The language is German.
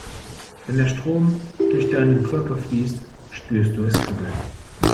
Wenn der Strom durch deinen Körper fließt, spürst du es kribbeln.